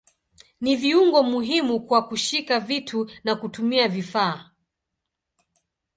Ni viungo muhimu kwa kushika vitu na kutumia vifaa.